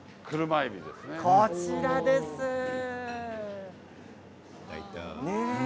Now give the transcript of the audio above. こちらですね。